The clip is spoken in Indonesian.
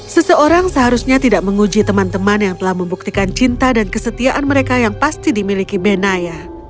seseorang seharusnya tidak menguji teman teman yang telah membuktikan cinta dan kesetiaan mereka yang pasti dimiliki benaya